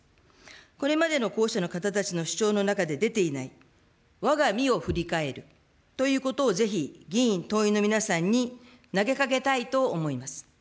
これまでの候補者の方たちの主張の中で出ていない、わが身を振り返るということをぜひ議員、党員の皆さんに投げかけたいと思います。